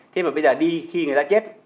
thế mà bây giờ đi khi người ta chết